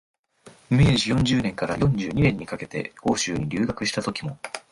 明治四十年から四十二年にかけて欧州に留学したときも、